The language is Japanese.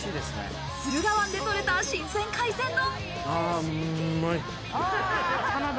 駿河湾でとれた新鮮海鮮丼。